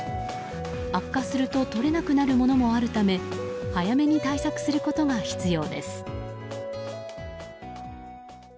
悪化すると取れなくなるものもあるため早めに対策することが必要です。